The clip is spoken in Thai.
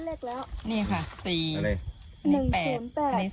นี่ค่ะ๔๘๐